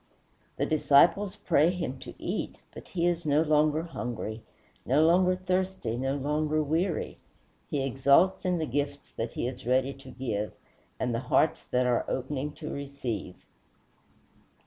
The disciples pray him to eat, but he is no longer hungry, no longer thirsty, no longer weary; he exults in the gifts that he is ready to give, and the hearts that are opening to receive.